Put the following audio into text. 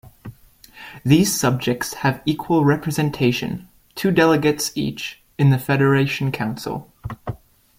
These subjects have equal representation-two delegates each-in the Federation Council.